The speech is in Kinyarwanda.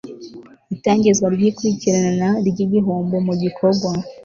Itangizwa ry ikurikirana ry igihombo mu gikorwa